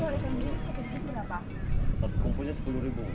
ini di orison gini sepuluh ribu berapa